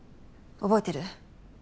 覚えてる？